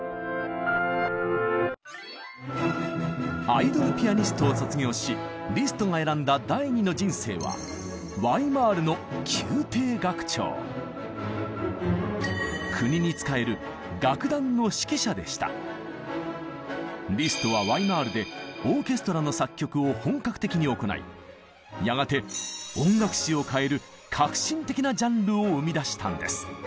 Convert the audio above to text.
アイドル・ピアニストを卒業しリストが選んだ第２の人生は国に仕えるリストはワイマールでオーケストラの作曲を本格的に行いやがて音楽史を変える革新的なジャンルを生み出したんです。